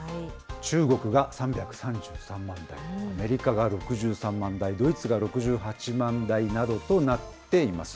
中国が３３３万台、アメリカが６３万台、ドイツが６８万台などとなっています。